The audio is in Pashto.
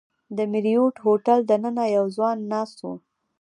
د مریوټ هوټل دننه یو ځوان ناست و.